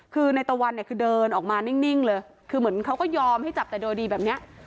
คือในตะวันเนี่ยคือเดินออกมานิ่งเลยคือเหมือนเขาก็ยอมให้จับแต่โดยดีแบบเนี้ย